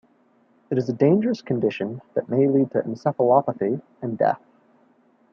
It is a dangerous condition that may lead to encephalopathy and death.